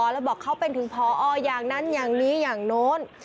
แล้วบอกเขาเป็นถึงพออย่างนั้นอย่างนี้อย่างโน้น